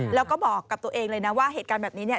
แล้วก็บอกกับตัวเองเลยนะว่าเหตุการณ์แบบนี้เนี่ย